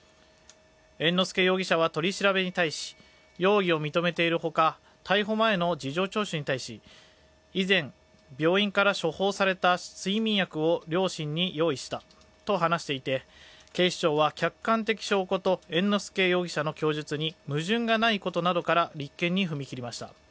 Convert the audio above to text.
猿之助容疑者は取り調べに対し容疑を認めているほか、逮捕前の事情聴取に対し以前、病院から処方された睡眠薬を両親に用意したと話していて警視庁は客観的証拠と猿之助容疑者の供述に矛盾がないことなどから立件に踏み切りました。